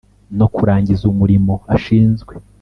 no kurangiza umurimo ashinzwe